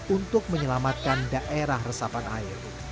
untuk menyelamatkan daerah resapan air